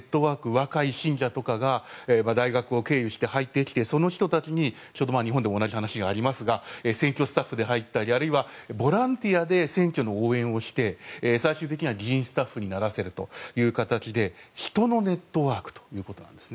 若い信者とかが大学を経由して入ってきてその中で日本で同じ話がありますが選挙スタッフで入ったりあるいはボランティアで選挙の応援をして最終的には議員スタッフにならせるという形で人のネットワークということなんです。